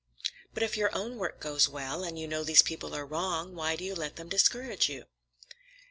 "But if your own work goes well, and you know these people are wrong, why do you let them discourage you?"